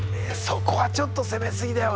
そこはちょっと攻めすぎだよ。